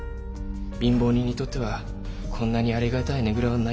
貧乏人にとってこんなにありがたいねぐらはないんです。